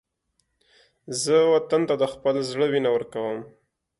زه وطن ته د خپل زړه وینه ورکوم